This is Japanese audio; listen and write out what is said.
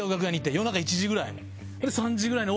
夜中１時ぐらい。